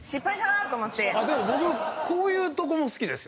でも僕こういうとこも好きです。